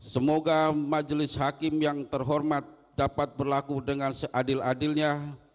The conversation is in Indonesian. semoga majelis hakim yang terhormat dapat berlaku dengan seadil adilnya